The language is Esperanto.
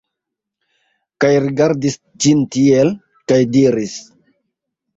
Kaj rigardis ĝin tiel, kaj diris: